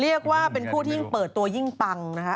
เรียกว่าเป็นผู้ยิ่งเปิดตัวยิ่งปังนะคะ